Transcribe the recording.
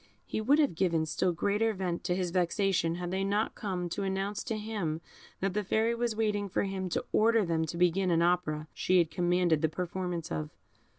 He would have given still greater vent to his vexation had they not come to announce to him that the Fairy was waiting for him to order them to begin an opera she had commanded the performance of.